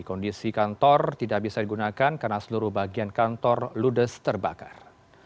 kondisi kantor tidak bisa digunakan karena seluruh bagian kantor ludes terbakar